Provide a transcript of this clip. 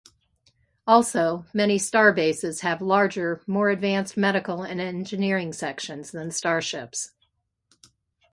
Also, many starbases have larger, more advanced medical and engineering sections than starships.